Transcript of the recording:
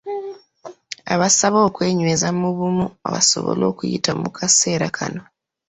Abasaba okwenyweza mu bumu, basobole okuyita mu kaseera kano.